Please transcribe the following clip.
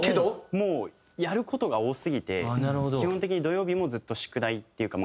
もうやる事が多すぎて基本的に土曜日もずっと宿題っていうか。